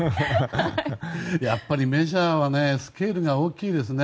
やっぱりメジャーはスケールが大きいですね。